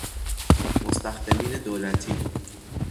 مستخدمین دولتی